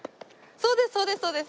そうですそうです。